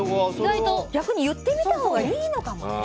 逆に言ってみたほうがいいのかもね。